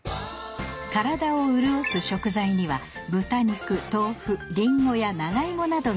体をうるおす食材には豚肉豆腐りんごや長芋などがあります